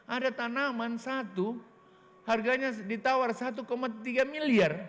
ada tanaman satu harganya ditawar satu tiga miliar